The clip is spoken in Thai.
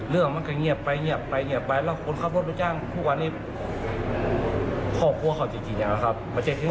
เรื่องมันก็เหนียบแล้วก็ตัวเขาก็ถูกจัง